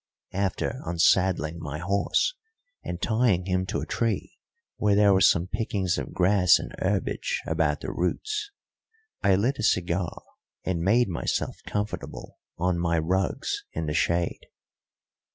After unsaddling my horse and tying him to a tree, where there were some pickings of grass and herbage about the roots, I lit a cigar and made myself comfortable on my rugs in the shade.